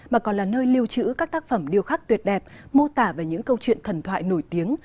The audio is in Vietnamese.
mà còn là nơi lưu trữ các tác phẩm điêu khắc tuyệt đẹp mô tả về những câu chuyện thần thoại nổi tiếng